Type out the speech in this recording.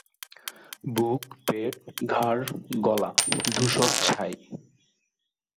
বুক-পেট-ঘাড়-গলা ধূসর ছাই।